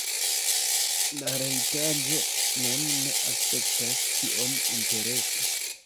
La retpaĝo mem ne aspektas tiom interesa